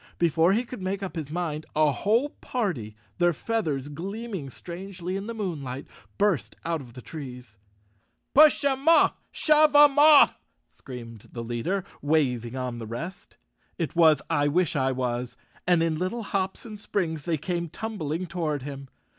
Before he could make up his mind, a whole party, their feathers gleaming strangely in the moon¬ light, burst out of the trees. "Push 'em off! Shove 'em off!" screamed the leader, waving on the rest. It was I wish I was, and in little hops and springs they came tumbling toward him.